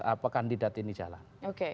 apa kandidat ini jalan